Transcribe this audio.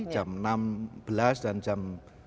jam enam belas dan jam delapan belas